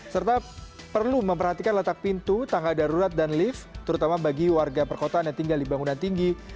serta perlu memperhatikan letak pintu tangga darurat dan lift terutama bagi warga perkotaan yang tinggal di bangunan tinggi